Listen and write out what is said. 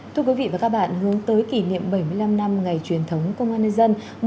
thưa quý vị và các bạn hướng tới kỷ niệm bảy mươi năm năm ngày truyền thống công an nhân dân